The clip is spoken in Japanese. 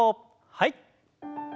はい。